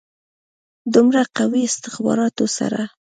دومره قوي استخباراتو سره.